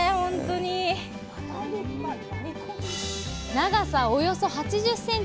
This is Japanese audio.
長さおよそ８０ｃｍ。